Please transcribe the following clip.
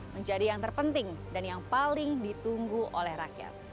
menjadi yang terpenting dan yang paling ditunggu oleh rakyat